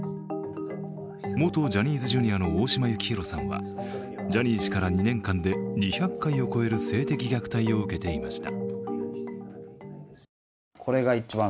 元ジャニーズＪｒ．の大島幸広さんはジャニー氏から２年間で２００回を超える性的虐待を受けていました。